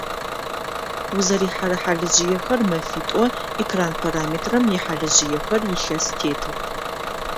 Узэрихьэрэ хьалыжъыехэр мэфитӏо, экран параметрэм ихьалыжъыехэр илъэсэ тетых.